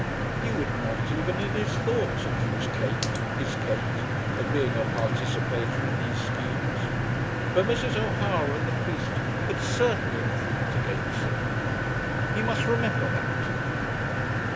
He would not even in his thoughts accuse Kate, his Kate, of being a participator in these schemes. But Mrs. O'Hara and the priest had certainly intrigued against him. He must remember that.